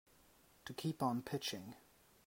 To keep on pitching.